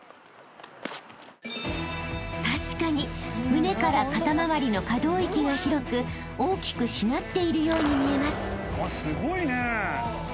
［確かに胸から肩まわりの可動域が広く大きくしなっているように見えます］